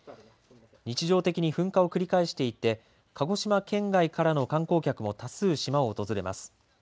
日常的に噴火を繰り返していて鹿児島県外からの観光客も多数、島を訪れます。